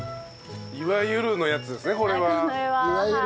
いわゆるのやつですねこれは。